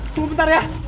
tunggu bentar ya